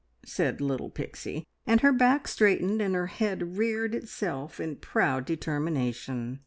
said little Pixie, and her back straightened, and her head reared itself in proud determination.